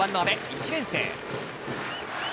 １年生。